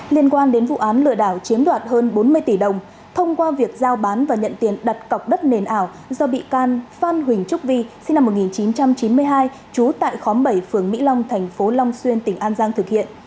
liên quan đến vụ án lừa đảo chiếm đoạt hơn bốn mươi tỷ đồng thông qua việc giao bán và nhận tiền đặt cọc đất nền ảo do bị can phan huỳnh trúc vi sinh năm một nghìn chín trăm chín mươi hai trú tại khóm bảy phường mỹ long thành phố long xuyên tỉnh an giang thực hiện